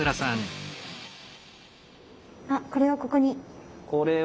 あっこれをここに。